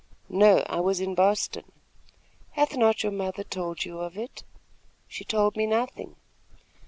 "No; I was in Boston." "Hath not your mother told you of it?" "She told me nothing."